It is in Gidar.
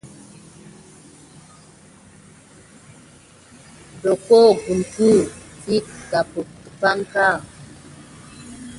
Doldol kulku vi kegampe dabin.